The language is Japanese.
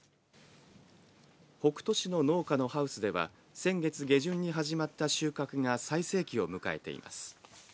北斗市の農家のハウスでは先月下旬に始まった収穫が最盛期を迎えています。